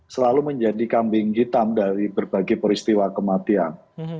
selalu menjadi kambing hitam dari berbagai peristiwa kematian